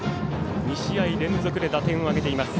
２試合連続で打点を挙げています。